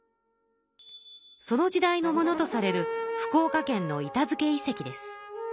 その時代のものとされる福岡県の板付遺跡です。